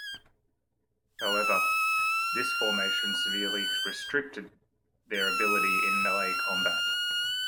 However, this formation severely restricted their ability in melee combat.